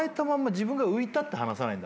自分が浮いたって放さない。